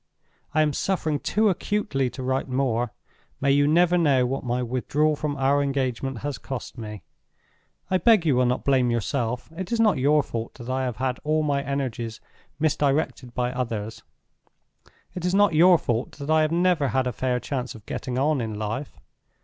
"I am suffering too acutely to write more. May you never know what my withdrawal from our engagement has cost me! I beg you will not blame yourself. It is not your fault that I have had all my energies misdirected by others—it is not your fault that I have never had a fair chance of getting on in life.